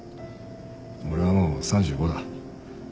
俺はもう３５だ。